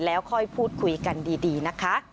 แล้วค่อยพูดคุยกันดีนะคะ